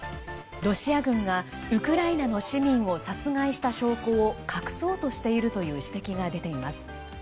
ロシア軍が、ウクライナの市民を殺害した証拠を隠そうとしているという指摘が出ています。